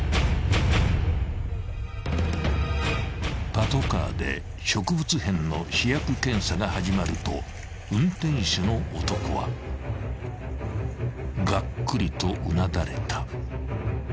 ［パトカーで植物片の試薬検査が始まると運転手の男はがっくりとうなだれた］